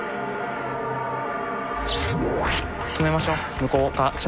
止めましょう。